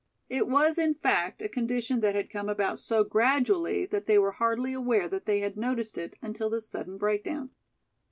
It was, in fact, a condition that had come about so gradually that they were hardly aware they had noticed it until this sudden breakdown.